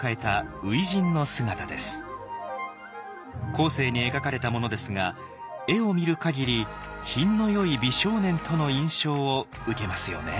後世に描かれたものですが絵を見る限り品のよい美少年との印象を受けますよね。